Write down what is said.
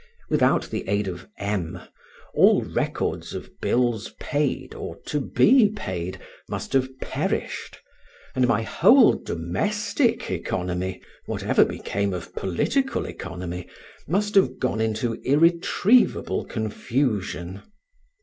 Without the aid of M. all records of bills paid or to be paid must have perished, and my whole domestic economy, whatever became of Political Economy, must have gone into irretrievable confusion.